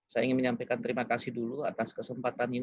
saya ingin menyampaikan terima kasih dulu atas kesempatan ini